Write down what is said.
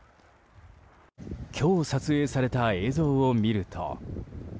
今日、撮影された映像を見ると。